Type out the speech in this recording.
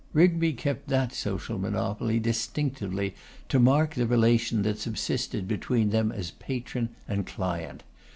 Rigby kept that social monopoly distinctively to mark the relation that subsisted between them as patron and client.